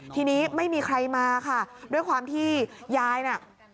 ทีนี้ไม่มีใครมาค่ะด้วยความที่ยายน่ะ